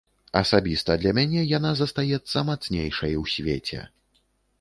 Асабіста для мяне яна застаецца мацнейшай у свеце.